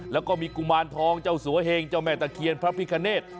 แล้วก็มีกุมารทองเจ้าสัวเฮงเจ้าแม่ตะเคียนพระพิคเนธ